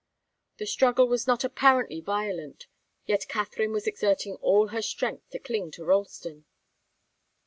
The struggle was not apparently violent, yet Katharine was exerting all her strength to cling to Ralston.